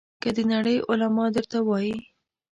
که د نړۍ علما درته وایي.